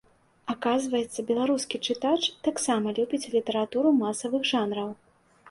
Аказваецца, беларускі чытач таксама любіць літаратуру масавых жанраў.